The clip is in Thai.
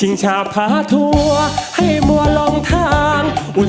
น้องจิ้มหรอกครับ